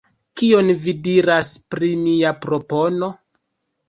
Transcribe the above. Kion vi diras pri mia propono?